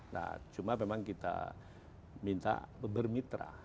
nah cuma memang kita minta bermitra